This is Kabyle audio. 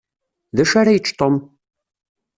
D acu ara yečč Tom?